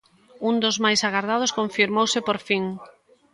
Un dos máis agardados confirmouse por fin.